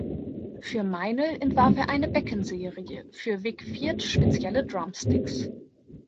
Für Meinl entwarf er eine Becken-Serie, für Vic Firth spezielle Drumsticks.